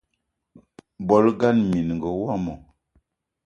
Bolo ngana minenga womo